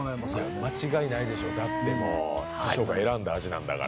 間違いないでしょう、だって師匠が選んだ味なんだから。